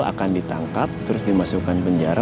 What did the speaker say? akan ditangkap terus dimasukkan penjara